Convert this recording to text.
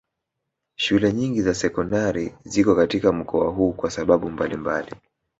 Shule nyingi za sekondari ziko katika mkoa huu kwa sababu mbalimbali